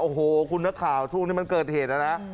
โอ้โหคุณนักข่าวทุกนี่มันเกิดเหตุแล้วนะ